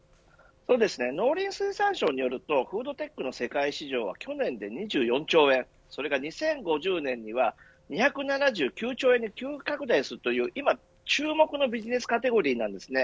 農林水産省によるとフードテックの世界市場は去年で２４兆円それが２０５０年では２７９兆円に急拡大するという今注目のビジネスカテゴリーです。